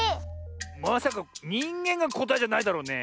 まさか「にんげん」がこたえじゃないだろうね。